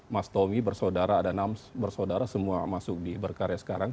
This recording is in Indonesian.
mas tommy bersaudara ada enam bersaudara semua masuk di berkarya sekarang